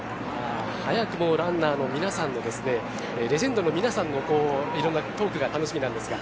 早くもレジェンドの皆さんのいろんなトークが楽しみなんですが。